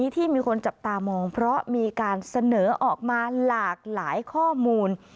ที่มีคนจับตามองเพราะมีการเสนอออกมาหลากหลายข้อมูล